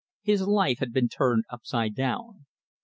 His life had been turned upside down.